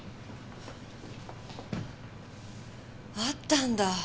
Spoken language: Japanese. あったんだ。